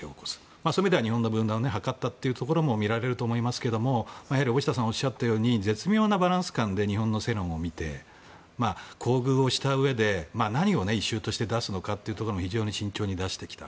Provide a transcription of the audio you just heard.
そういう意味では日本の分断を図ったというところも見えると思いますが大下さんがおっしゃったように絶妙なバランス感で日本の世論を見て厚遇をしたうえで何をイシューとして出すのかというのも非常に慎重に出してきた。